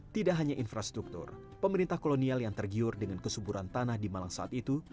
tidak hanya infrastruktur pemerintah kolonial yang tergiur dengan kesuburan tanah di malang saat itu